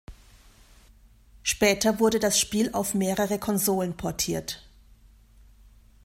Später wurde das Spiel auf mehrere Konsolen portiert.